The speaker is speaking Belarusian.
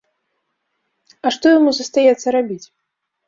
А што яму застаецца рабіць?